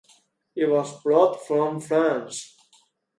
It was brought from France.